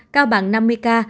cao bằng năm mươi ca